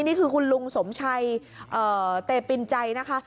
นี่คือคุณลุงสมชัยเตปินใจนะคะ